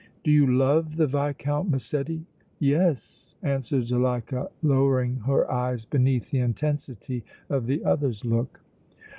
do you love the Viscount Massetti?" "Yes," answered Zuleika, lowering her eyes beneath the intensity of the other's look.